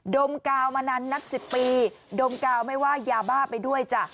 ดมกาวมานานนับ๑๐ปีดมกาวไม่ว่ายาบ้าไปด้วยจ้ะ